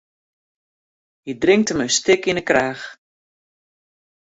Hy drinkt him in stik yn 'e kraach.